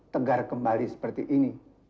tenggar kembali seperti ini